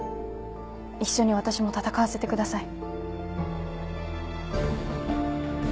一緒に私も闘わせてください。